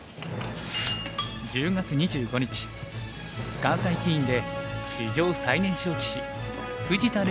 １０月２５日関西棋院で史上最年少棋士藤田怜